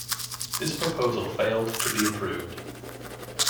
This proposal failed to be approved.